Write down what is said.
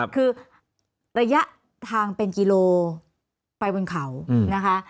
คือระยะทางเป็นกิโลไปบนเขานะคะ